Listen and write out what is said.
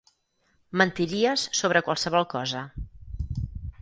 Mentiries sobre qualsevol cosa.